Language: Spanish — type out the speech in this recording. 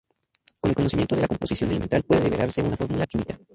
Con el conocimiento de la composición elemental, puede derivarse una fórmula química.